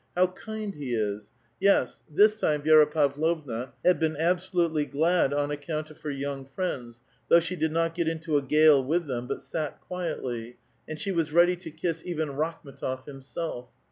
How kind he is 1 Yes, his time Vi^ra Pavlovna had been absolutely glad on account vf. her young friends, though she did not get into a gale with hem, but sat quietly, and she was ready to kiss even Rakh D^tof himself.